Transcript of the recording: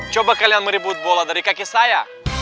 coba kalian meribut bola dari kaki saya